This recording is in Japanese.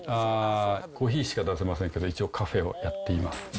コーヒーしか出せませんけど、一応、カフェをやっています。